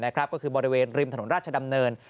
ก็คือบริเวณริมถนนราชดำเนิน